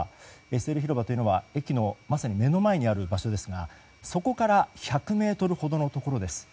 ＳＬ広場というのは駅のまさに目の前にある場所ですがそこから１００ｍほどのところです。